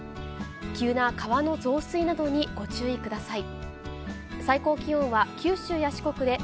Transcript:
急な川の増水などにご注意ください。